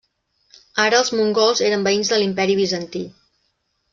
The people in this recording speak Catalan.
Ara els mongols eren veïns de l'imperi Bizantí.